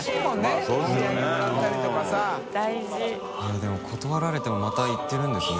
でも断られても泙行ってるんですね。